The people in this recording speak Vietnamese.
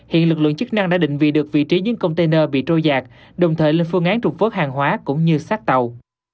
hiện lực lượng chức năng đã định vị được vị trí những container bị trôi giạt đồng thời lên phương án trục vớt hàng hóa cũng như sát tàu